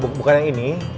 oh bukan bukan yang ini